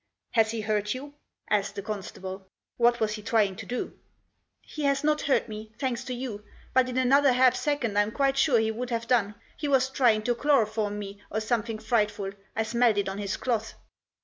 " Has he hurt you ?" asked the constable. " What was he trying to do ?"" He has not hurt me, thanks to you ; but in another half second I'm quite sure he would have done. He was trying to chloroform me, or something frightful, I smelt it on his cloth."